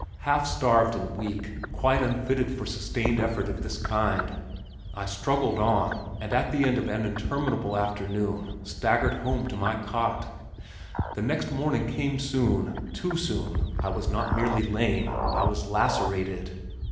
Half starved and weak, quite unfitted for sustained effort of this kind, I struggled on, and at the end of an interminable afternoon staggered home to my cot. The next morning came soon, too soon. I was not merely lame, I was lacerated.